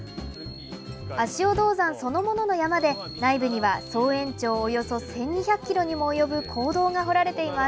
足尾銅山そのものの山で内部には総延長およそ１２００ｋｍにも及ぶ坑道が掘られています。